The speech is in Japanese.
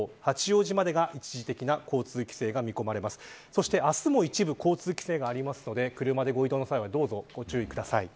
そして明日も一部、交通規制がありますので車でご移動の際はご注意ください。